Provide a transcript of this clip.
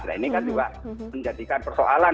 nah ini kan juga menjadikan persoalan